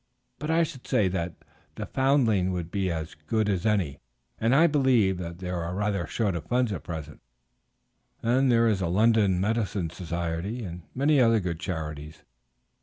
But I should say that the Foundling would be as good as any, and I believe that they are rather short of funds at present; then there is the London Mendicity Society, and many other good charities.